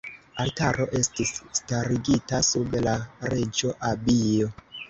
Altaro estis starigita sub la reĝa abio.